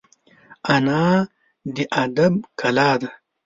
انا د ادب کلا ده